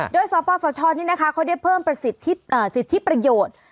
โดยสปสชนี่นะคะเขาได้เพิ่มประสิทธิประโยชน์